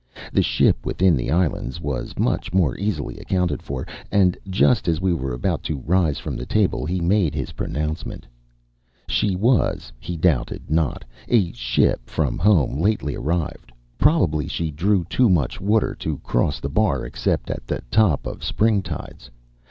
The ship within the islands was much more easily accounted for; and just as we were about to rise from table he made his pronouncement. She was, he doubted not, a ship from home lately arrived. Probably she drew too much water to cross the bar except at the top of spring tides.